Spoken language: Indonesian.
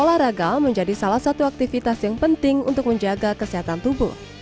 olahraga menjadi salah satu aktivitas yang penting untuk menjaga kesehatan tubuh